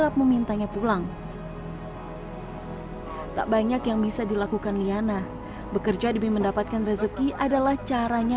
kerap memintanya pulang tak banyak yang bisa dilakukan liana bekerja demi mendapatkan rezeki adalah caranya